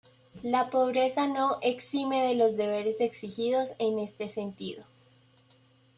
La pobreza no exime de los deberes exigidos en este sentido.